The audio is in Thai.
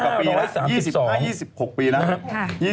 ๓๒น้องปี๒๕๓๒สองพันสามสิบสองสองพันสี่สิบห้าปีแล้ว